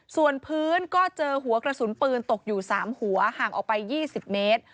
ส่วนพื้นก็เจอหัวกระสุนปืนตกอยู่๓หัวห่างออกไป๒๐เมตร